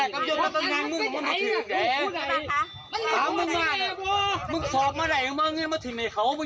ครับเดี๋ยวเขาเขาตามโทษโดยค่ะโอ้ยฟันเดี๋ยวอูหู